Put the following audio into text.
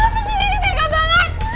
tapi si daddy tega banget